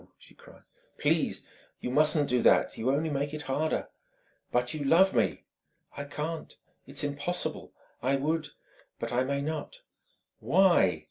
she cried. "Please! You mustn't do that... You only make it harder..." "But you love me!" "I can't. It's impossible. I would but I may not!" "Why?"